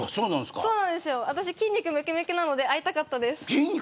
私、筋肉むきむきなので会いたかったです